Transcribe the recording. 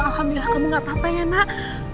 alhamdulillah kamu nggak apa apa ya mak